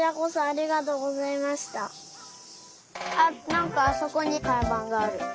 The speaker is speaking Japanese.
あっなんかあそこにかんばんがある。